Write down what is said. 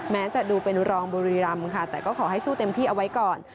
แม้จะดูเป็นรองบุรีรำค่ะแต่ก็ขอให้สู้เต็มที่เอาไว้ก่อน